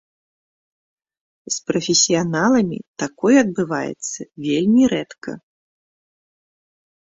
З прафесіяналамі такое адбываецца вельмі рэдка.